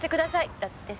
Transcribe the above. だってさ。